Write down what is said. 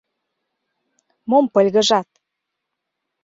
— Мом пыльгыжат?